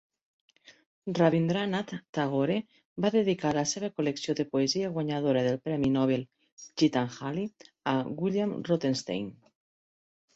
Rabindranath Tagore va dedicar la seva col·lecció de poesia guanyadora del Premi Nobel "Gitanjali" a William Rothenstein.